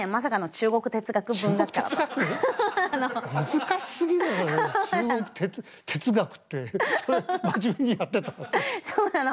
中国哲学ってそれ真面目にやってたの？